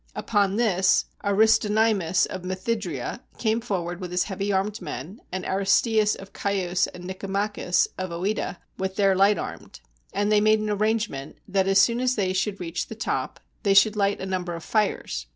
Upon this Aristonymus of Methydria came forward with his heavy armed men, and Aristeas of Chios and Nicomachus of CEta with their light armed; and they made an arrangement, that as soon as they should reach the top, they should light a number of fires.